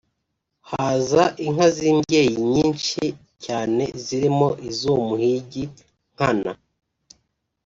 haza inka z’imbyeyi nyinshi cyane zirimo iz’uwo muhigi Nkana